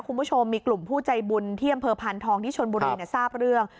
คุณผู้ชมมีกลุ่มผู้ใจบุญเที่ยมเผอร์พันธ์ทองที่ชลบุรีที่ทราบเรื่อง